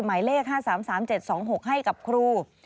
หมายเลข๕๓๓๗๒๖ให้กับครู